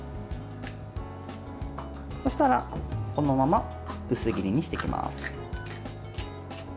そうしたら、このまま薄切りにしていきます。